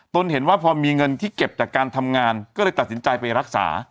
ตนเห็นว่าพอมีเงินที่เก็บจากการทำงานก็เลยตัดสินใจไปรักษา